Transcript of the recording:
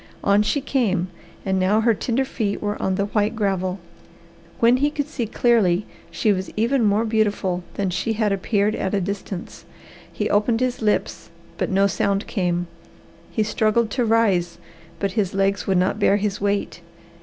On she came, and now her tender feet were on the white gravel. When he could see clearly she was even more beautiful than she had appeared at a distance. He opened his lips, but no sound came. He struggled to rise, but his legs would not bear his weight.